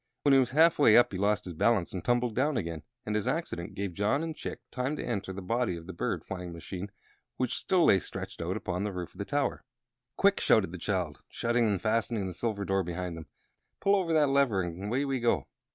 When he was half way up he lost his balance and tumbled down again, and this accident gave John and Chick time to enter the body of the bird flying machine, which still lay stretched upon the roof of the tower. "Quick!" shouted the child, shutting and fastening the silver door behind them. "Pull over that lever, and away we go!"